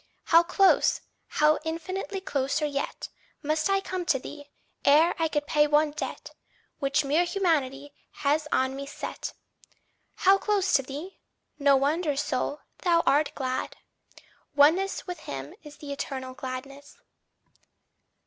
How close, how infinitely closer yet Must I come to thee, ere I can pay one debt Which mere humanity has on me set! "How close to thee!" no wonder, soul, thou art glad! Oneness with him is the eternal gladness.